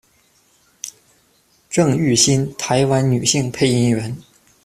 郑郁欣，台湾女性配音员。